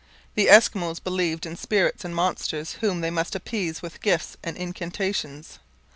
The Eskimos believed in spirits and monsters whom they must appease with gifts and incantations.